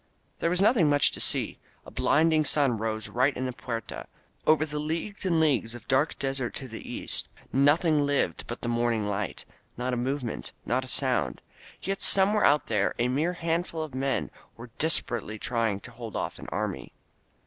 There was nothing much to see there. A blinding Sim rose right in the Puerta. Over the leagues and leagues of dark desert to the east nothing lived but the morning light. Not a movement. Not a sound. Yet somewhere out there a mere handful of men were des perately trying to hold off an army.